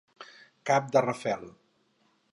Cap de rafel.